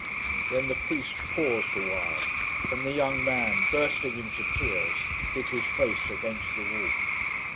Then the priest paused awhile, and the young man, bursting into tears, hid his face against the wall.